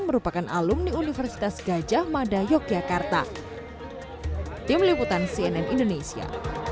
merupakan alumni universitas gajah mada yogyakarta